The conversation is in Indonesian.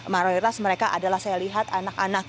maruheras mereka adalah saya lihat anak anak yang di sana